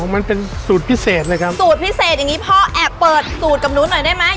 มันเป็นสูตรพิเศษเลยครับสูตรพิเศษอย่างงี้พ่อแอบเปิดสูตรกับหนูหน่อยได้ไหม